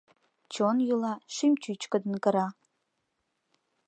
Чон йӱла, шӱм чӱчкыдын кыра.